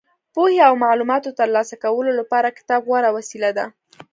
پوهې او معلوماتو ترلاسه کولو لپاره کتاب غوره وسیله ده.